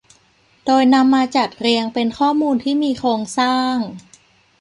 โดยนำมาจัดเรียงเป็นข้อมูลที่มีโครงสร้าง